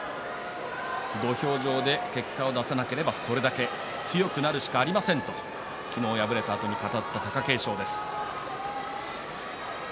土俵上で結果を出さなければそれだけ強くなるしかありませんと昨日敗れたあとに語った貴景勝です。